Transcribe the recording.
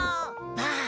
ばあ！